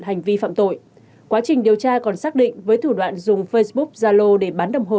hành vi phạm tội quá trình điều tra còn xác định với thủ đoạn dùng facebook zalo để bán đồng hồ